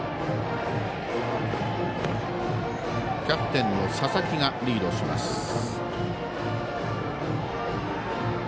キャプテンの佐々木がリードします。